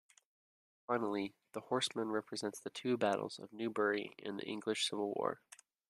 Finally, the horseman represents the two battles of Newbury in the English civil war.